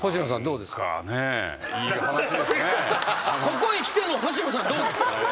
ここへきての星野さんどうですか？